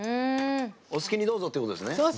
お好きにどうぞということですね。